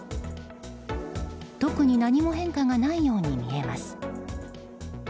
特に何も変化がないように見えます。